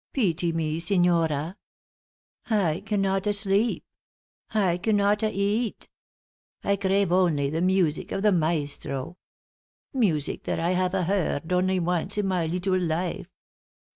Peety me, signora! I cannot sleep. I cannot eat. I crave only the music of the maestro music that I hava heard only once in my leetle life.